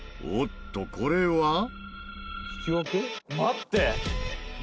おっとこれは。